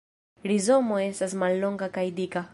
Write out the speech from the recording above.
Rizomo estas mallonga kaj dika.